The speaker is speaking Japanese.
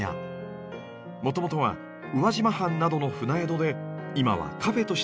もともとは宇和島藩などの船宿で今はカフェとして利用されています。